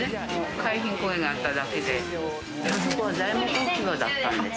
海浜公園があっただけで、あそこは材木置き場だったんです。